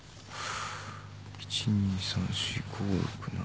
１２３４５６７。